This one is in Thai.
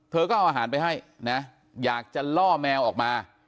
เธอก็เอาอาหารไปให้นะอยากจะล่อแมวออกมา